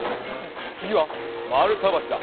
つぎはまるたばしだ。